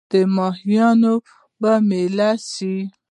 د ماهیانو په مېله سوو